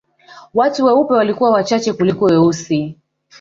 Watu weupe walikuwa wachache kuliko weusi